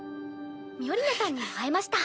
ミオリネさんにも会えました。